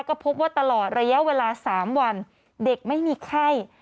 ก็พบว่าตลอดระยะเวลา๓วันเด็กไม่มีไข้